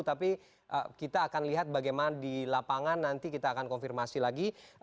tapi kita akan lihat bagaimana di lapangan nanti kita akan konfirmasi lagi